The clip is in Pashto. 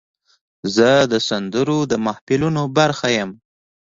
زه د سندرو د محفلونو برخه یم.